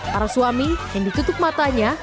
para suami yang ditutup matanya